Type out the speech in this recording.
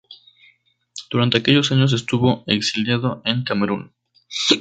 Durante aquellos años estuvo exiliado en Camerún.